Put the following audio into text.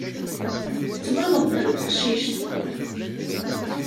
Tettbaneḍ-d am teqcict.